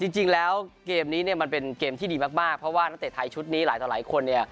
จริงแล้วเกมนี้มันเป็นเกมที่ดีมากเพราะว่าตั้งแต่ชุดนี้หลายคน